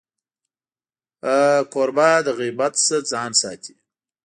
کوربه د غیبت نه ځان ساتي.